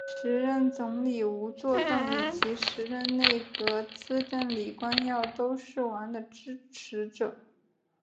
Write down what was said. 时任总理吴作栋以及时任内阁资政李光耀都是王的支持者。